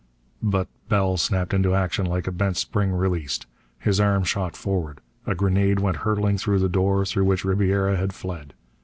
But Bell snapped into action like a bent spring released. His arm shot forward. A grenade went hurtling through the door through which Ribiera had fled.